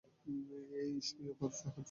এই ঈস হচ্ছেন রূমের পিতা।